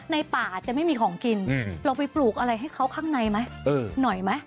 ในป่าจะไม่มีของกินเราไปปลูกอะไรให้เขาข้างในไหมหน่อยไหม